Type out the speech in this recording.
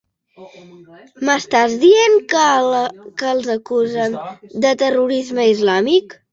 M'estàs dient que els acusen de terrorisme islàmic?